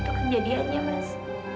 ya begitu kejadiannya mas